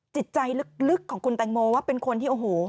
จิตใจลึกของคุณแตงโมว่าเป็นคนที่โอ้โห